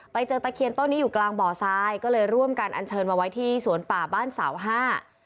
ตะเคียนต้นนี้อยู่กลางบ่อทรายก็เลยร่วมกันอันเชิญมาไว้ที่สวนป่าบ้านเสาห้า